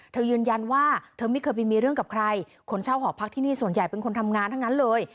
ยืนยันว่าเธอไม่เคยไปมีเรื่องกับใครคนเช่าหอพักที่นี่ส่วนใหญ่เป็นคนทำงานทั้งนั้นเลย